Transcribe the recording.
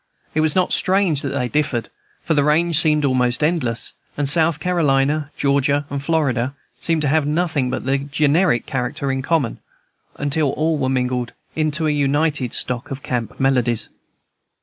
It was not strange that they differed, for the range seemed almost endless, and South Carolina, Georgia, and Florida seemed to have nothing but the generic character in common, until all were mingled in the united stock of camp melodies.